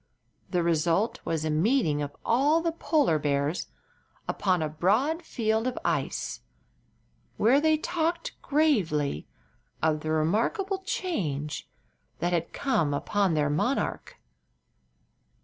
The result was a meeting of all the polar bears upon a broad field of ice, where they talked gravely of the remarkable change that had come upon their monarch.